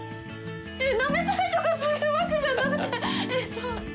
なめたいとかそういうわけじゃなくてえっと。